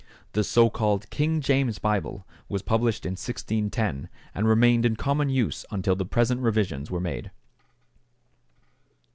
The so called King James Bible was published in 1610, and remained in common use until the present revisions were made.